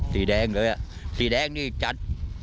สีแดงเลยอ่ะสีแดงนี่จัด